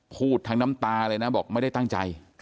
พูดทั้งน้ำตาเลยนะบอกไม่ได้ตั้งใจ